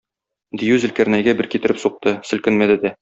Дию Зөлкарнәйгә бер китереп сукты, селкенмәде дә.